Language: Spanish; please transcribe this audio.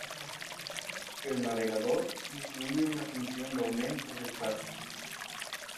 El navegador incluía una función de aumento de espacio.